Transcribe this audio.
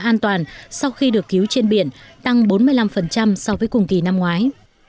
an toàn sau khi được cứu trên biển tăng bốn mươi năm so với cùng kỳ năm ngoái